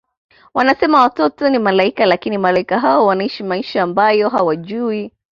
Wanasema watoto ni Malaika lakini Malaika hao wanaishi maisha ambayo hawajui